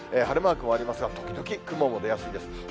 晴れマークもありますが、時々雲も出やすいです。